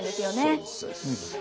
そうですそうです。